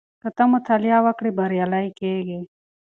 که ته مطالعه وکړې بریالی کېږې.